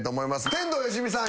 天童よしみさん